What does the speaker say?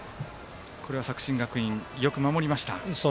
これは作新学院、よく守りました。